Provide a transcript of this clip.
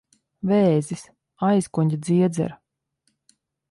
Vēzis. Aizkuņģa dziedzera.